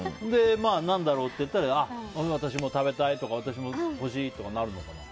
何だろうって行ったら私も食べたいとか私も欲しい！とかになるのかな。